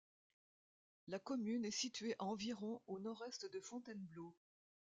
La commune est située à environ au nord-est de Fontainebleau.